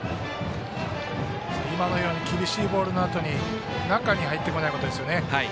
今のように厳しいボールのあとに中に入ってこないことですよね。